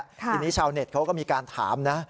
ทีนี้ชาวเน็ตเขาก็มีการถามนะ